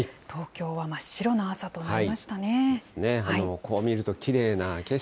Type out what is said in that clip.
東京は真っ白な朝となりましたね。